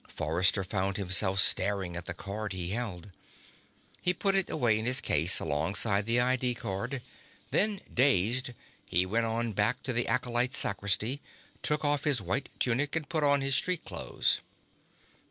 Forrester found himself staring at the card he held. He put it away in his case, alongside the ID card. Then, dazed, he went on back to the acolyte's sacristy, took off his white tunic and put on his street clothes.